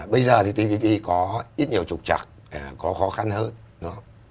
bây giờ thì tv có ít nhiều trục trặc có khó khăn hơn